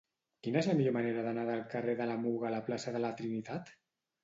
Quina és la millor manera d'anar del carrer de la Muga a la plaça de la Trinitat?